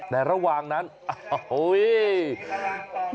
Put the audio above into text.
แต่ระหว่างนั้นโอ้โหเห็นไหม